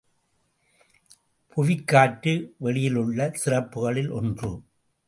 புவிக்காற்று வெளியிலுள்ள திறப்புகளில் ஒன்று.